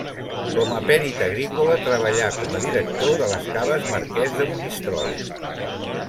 Com a perit agrícola treballà com a director de les caves Marquès de Monistrol.